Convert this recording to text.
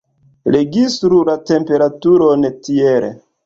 Registru la temperaturon tiel.